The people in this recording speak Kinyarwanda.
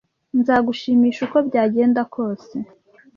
Nzagushimisha uko byagenda kose.